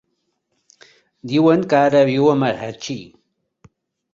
Diuen que ara viu a Marratxí.